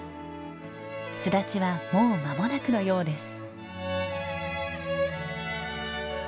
巣立ちはもう間もなくのようです。